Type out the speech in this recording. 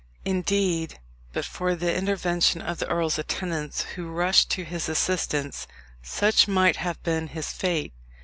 Indeed, but for the intervention of the earl's attendants, who rushed to his assistance, such might have been his fate.